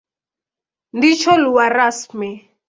Ndicho lugha rasmi.